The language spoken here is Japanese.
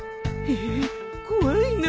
え怖いな。